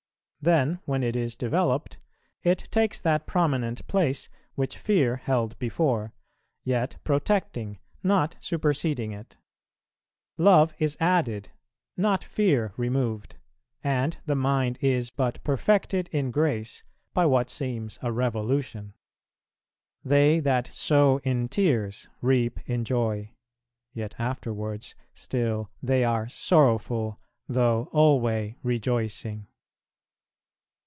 Then, when it is developed, it takes that prominent place which fear held before, yet protecting not superseding it. Love is added, not fear removed, and the mind is but perfected in grace by what seems a revolution. "They that sow in tears, reap in joy;" yet afterwards still they are "sorrowful," though "alway rejoicing."